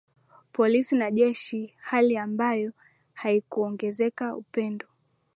polisi na jeshi hali ambayo haikuongeza upendo